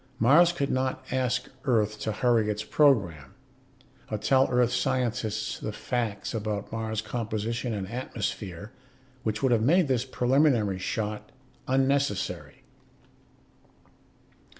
Mars could not ask Earth to hurry its program. Or tell Earth scientists the facts about Mars' composition and atmosphere which would have made this preliminary shot unnecessary.